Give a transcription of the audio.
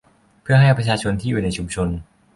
เพื่อให้ประชาชนที่อยู่ในชุมชน